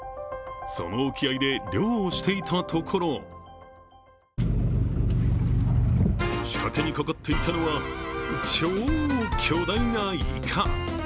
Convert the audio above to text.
その沖合で漁をしていたところ仕掛けにかかっていたのは超巨大なイカ。